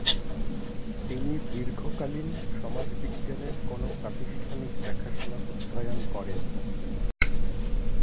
তিনি দীর্ঘকালীন সমাজবিজ্ঞানের কোনও প্রাতিষ্ঠানিক দেখাশোনা অধ্যয়ন করেননি।